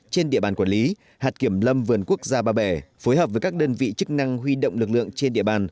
trên địa bàn quản lý hạt kiểm lâm vườn quốc gia ba bể phối hợp với các đơn vị chức năng huy động lực lượng trên địa bàn